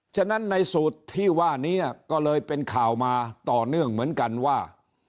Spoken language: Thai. ฉะนั้นในสูตรที่ว่านี้ก็เลยเป็นข่าวมาต่อเนื่องเหมือนกันว่า